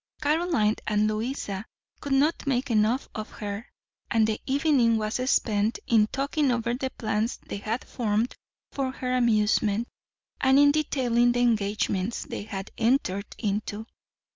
Caroline and Louisa could not make enough of her, and the evening was spent in talking over the plans they had formed for her amusement, and in detailing the engagements they had entered into.